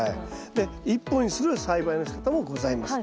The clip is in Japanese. で１本にする栽培のしかたもございます。